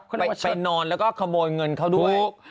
ไปนอนแล้วก็ขโมยเงินเขาด้วย